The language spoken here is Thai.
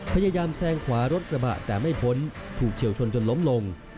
พยายามแซงขวารถกระบะแต่ไม่พ้นถูกเฉียวชนจนล้มลง